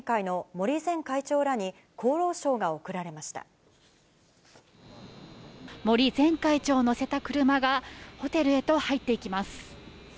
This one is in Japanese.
森前会長を乗せた車がホテルへと入っていきます。